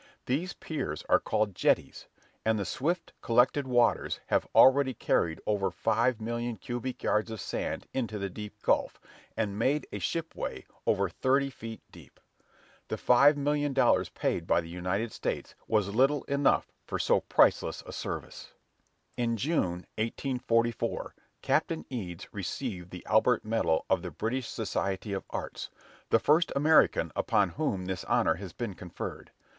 These piers are called "jetties," and the swift collected waters have already carried over five million cubic yards of sand into the deep gulf, and made a ship way over thirty feet deep. The five million dollars paid by the United States was little enough for so priceless a service. In June, 1884, Captain Eads received the Albert medal of the British Society of Arts, the first American upon whom this honor has been conferred.